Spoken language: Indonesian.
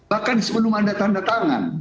bahkan sebelum anda tanda tangan